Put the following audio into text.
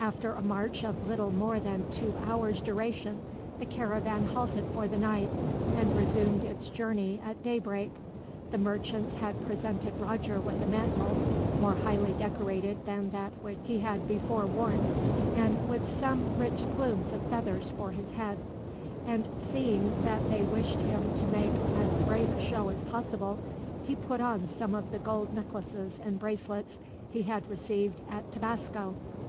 After a march of little more than two hours' duration, the caravan halted for the night, and resumed its journey at daybreak. The merchants had presented Roger with a mantle, more highly decorated than that which he had before worn, and with some rich plumes of feathers for his head; and seeing that they wished him to make as brave a show as possible, he put on some of the gold necklaces and bracelets he had received, at Tabasco.